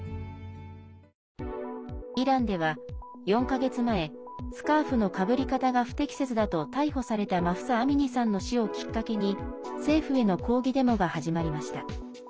イランでは、４か月前スカーフの被り方が不適切だと逮捕されたマフサ・アミニさんの死をきっかけに政府への抗議デモが始まりました。